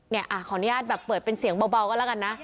ขออนุญาตแบบเปิดเป็นเสียงเบาก็แล้วกันนะ